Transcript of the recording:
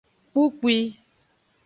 Kpukpwi.